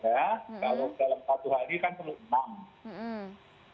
kalau dalam satu hari kan perlu enam